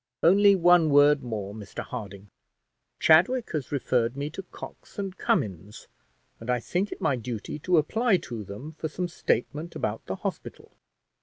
"Only one word more, Mr Harding. Chadwick has referred me to Cox and Cummins, and I think it my duty to apply to them for some statement about the hospital.